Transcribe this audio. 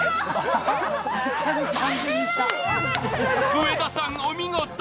上田さん、お見事。